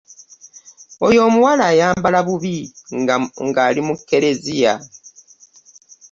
Oyo omuwala ayambala bubi ng'ali mu ekereziya.